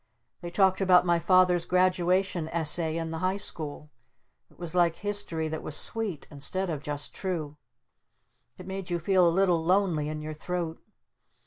They talked about my Father's Graduation Essay in the High School. It was like History that was sweet instead of just true. It made you feel a little lonely in your throat.